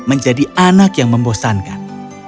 menjadi anak yang membosankan